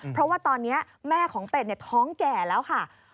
เพราะว่าตอนนี้แม่ของเป็ดท้องแก่แล้วค่ะ